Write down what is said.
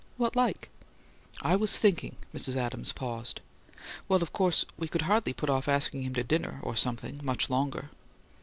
"What like?" "I was thinking " Mrs. Adams paused. "Well, of course we could hardly put off asking him to dinner, or something, much longer."